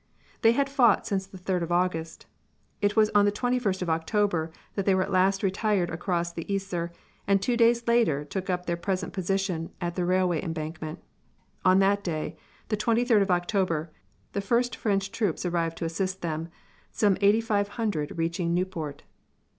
They had fought since the third of August. It was on the twenty first of October that they at last retired across the Yser and two days later took up their present position at the railway embankment. On that day, the twenty third of October, the first French troops arrived to assist them, some eighty five hundred reaching Nieuport.